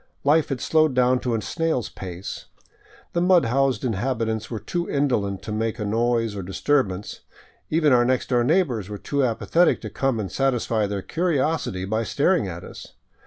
Life had slowed down to a snail's pace. The mud housed inhabitants were too indolent to make a noise or disturbance; even our next door neighbors were too apathetic to come and satisfy their curiosity by staring at us.